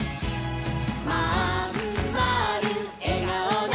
「まんまるえがおのハイ！」